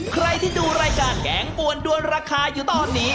ใครที่ดูรายการแกงปวนด้วนราคาอยู่ตอนนี้